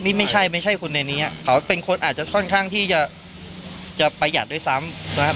นี่ไม่ใช่ไม่ใช่คนในนี้เขาเป็นคนอาจจะค่อนข้างที่จะประหยัดด้วยซ้ำนะครับ